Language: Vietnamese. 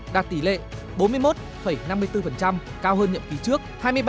đạt tỷ lệ bốn mươi một năm mươi bốn cao hơn nhiệm kỳ trước hai mươi ba